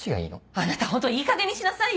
あなたホントいいかげんにしなさいよ！